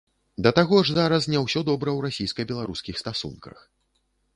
Да таго ж зараз не ўсё добра ў расійска-беларускіх стасунках.